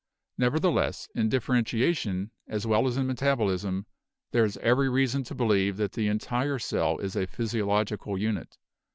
Nevertheless, in differentiation, as well as in metabolism, there is every reason to believe that the entire cell is a physiological unit.